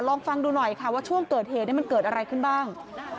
ลองฟังดูหน่อยค่ะว่าช่วงเกิดเหตุมันเกิดอะไรขึ้นบ้าง